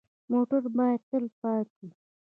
موټر باید تل پاک وي.